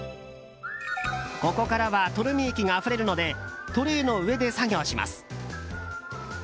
ここからはとろみ液があふれるのでトレーの上で作業します。